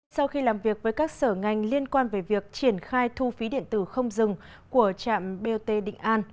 sau khi làm việc với các sở ngành liên quan về việc triển khai thu phí điện tử không dừng của trạm bot định an